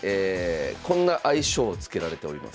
こんな愛称を付けられております。